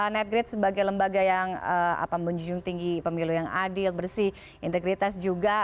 netgrid sebagai lembaga yang menjunjung tinggi pemilu yang adil bersih integritas juga